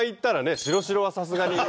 白白はさすがにすぎて。